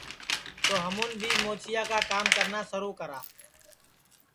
تو ہمون بھی موچیا کا کرنا سِرو کرا